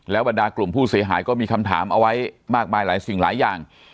บรรดากลุ่มผู้เสียหายก็มีคำถามเอาไว้มากมายหลายสิ่งหลายอย่าง